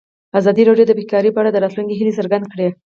ازادي راډیو د بیکاري په اړه د راتلونکي هیلې څرګندې کړې.